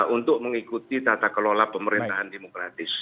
untuk mengikuti tata kelola pemerintahan demokratis